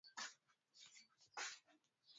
Rosario wa Argentina alizaliwa tarehe kumi na nne